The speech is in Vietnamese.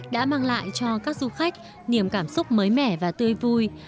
đã mang lại cho các du khách niềm cảm xúc mới mẻ và tươi vui